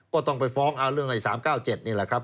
ก็ต้องไปฟ้องเอาเรื่องไอ้๓๙๗นี่แหละครับ